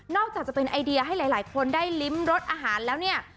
อกจากจะเป็นไอเดียให้หลายคนได้ลิ้มรสอาหารแล้วเนี่ย